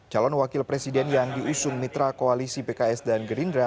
calon wakil presiden yang diusung mitra koalisi pks dan gerindra